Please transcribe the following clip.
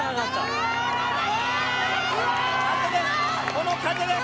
この風です。